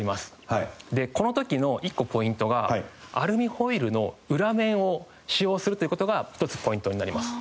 この時の一個ポイントがアルミホイルの裏面を使用するという事が一つポイントになります。